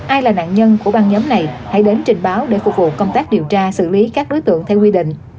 ai là nạn nhân của băng nhóm này hãy đến trình báo để phục vụ công tác điều tra xử lý các đối tượng theo quy định